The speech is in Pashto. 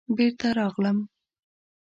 بېرته راغلم.